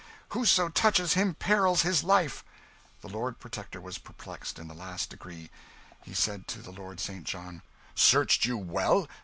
Whoso touches him perils his life!" The Lord Protector was perplexed in the last degree. He said to the Lord St. John "Searched you well?